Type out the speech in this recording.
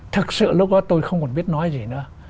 thực sự lúc đó tôi không còn biết nói gì nữa